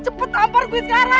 cepet nampar gue sekarang